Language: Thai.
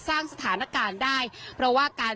สร้างสถานการณ์ได้เพราะว่าการ